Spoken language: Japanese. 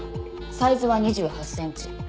サイズは２８センチ。